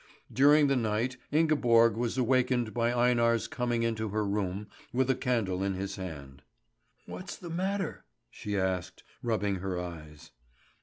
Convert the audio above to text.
During the night Ingeborg was awakened by Einar's coming into her room with a candle in his hand. "What's the matter?" she asked, rubbing her eyes.